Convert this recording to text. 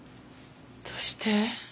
どうして？」